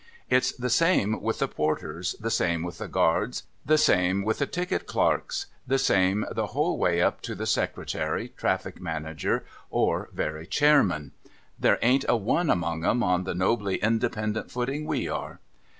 It's the same with the porters, the same with the guards, the same with the ticket clerks, the same the whole way up to the secretary, traffic manager, or very chairman. There ain't a one among 'em on the nobly independent footing we are.